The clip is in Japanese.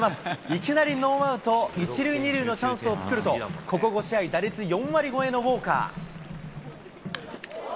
いきなりノーアウト１塁２塁のチャンスを作ると、ここ５試合、打率４割超えのウォーカー。